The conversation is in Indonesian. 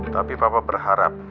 tapi papa berharap